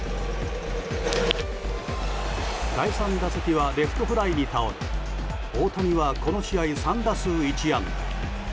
第３打席はレフトフライに倒れ大谷は、この試合３打数１安打。